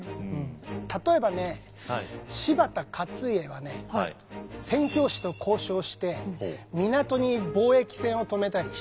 例えばね柴田勝家はね宣教師と交渉して港に貿易船を止めたりしてる。